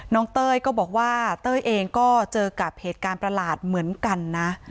เต้ยก็บอกว่าเต้ยเองก็เจอกับเหตุการณ์ประหลาดเหมือนกันนะ